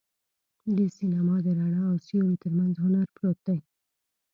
د سینما د رڼا او سیوري تر منځ هنر پروت دی.